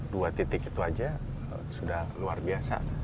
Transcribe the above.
dua titik itu saja sudah luar biasa